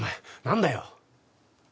何だよ？